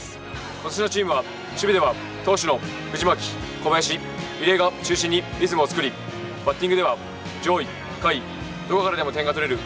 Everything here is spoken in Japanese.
今年のチームは、守備では投手の藤巻、小林、入江が中心にリズムを作りバッティングでは上位、下位どこからでも点が取れる